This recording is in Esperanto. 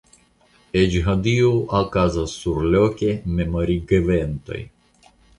Eĉ hodiaŭ okazas surloke memorigeventoj.